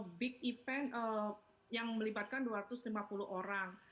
selama ini cuma big event yang melibatkan dua ratus lima puluh orang